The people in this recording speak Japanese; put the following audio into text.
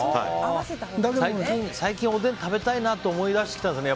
最近おでん食べたいなと思い出してきたんですよね。